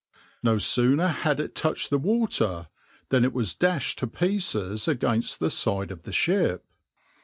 No sooner had it touched the water than it was dashed to pieces against the side of the ship.